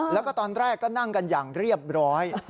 แล้วก็ตอนแรกก็นั่งกันอย่างเรียบร้อย